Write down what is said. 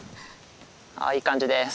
あいい感じです。